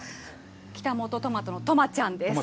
北本トマトのとまちゃんです。